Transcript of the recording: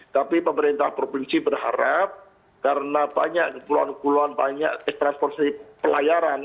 tapi pemerintah provinsi berharap karena banyak keguluan guluan ekspressi pelayaran